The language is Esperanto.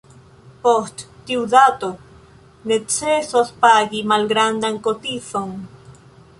Post tiu dato, necesos pagi malgrandan kotizon.